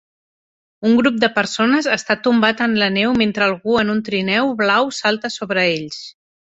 Un grup de persones està tombat en la neu mentre algú en un trineu blau salta sobre ells.